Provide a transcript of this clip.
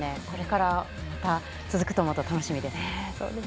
これからまた続くと思うと楽しみです。